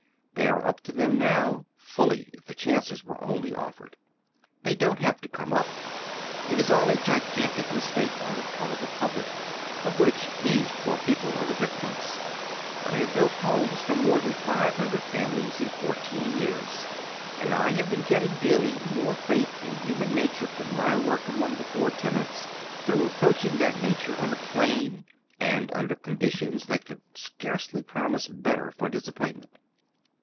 Tliey are up to tliem now, fully, if tlie chances were only offered. They don't have to come up. It is all a gigantic mistake on the part of the public, of which these poor people are the vic tims. I have built homes for more than five hundred fam ilies in fourteen years, and I have been getting daily more faith in luiman nature from my work among the poor ten ants, thongli approaching that nature on a plane and under conditions that could scarcely promise better for disap pointment."